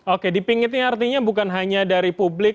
oke dipingitnya artinya bukan hanya dari publik